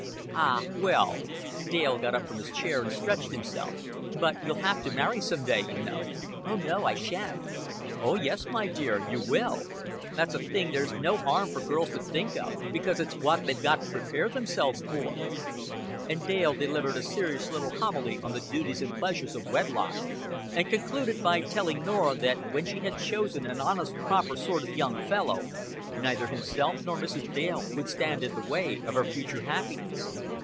"Ah, well." Dale got up from his chair, and stretched himself. "But you'll have to marry some day, you know." "Oh, no, I shan't." "Oh, yes, my dear, you will. That's a thing there's no harm for girls to think of, because it's what they've got to prepare themselves for." And Dale delivered a serious little homily on the duties and pleasures of wedlock, and concluded by telling Norah that when she had chosen an honest proper sort of young fellow, neither himself nor Mrs. Dale would stand in the way of her future happiness.